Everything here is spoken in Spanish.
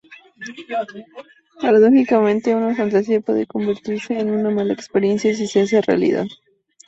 Paradójicamente una fantasía puede convertirse en una mala experiencia si se hace realidad.